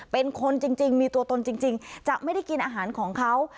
เป็นคนจริงมีตัวตนจริงจะไม่ได้กินอาหารของเขา